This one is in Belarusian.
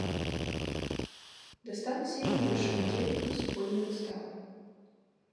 Дасталася і іншым удзельнікам супольнай выставы.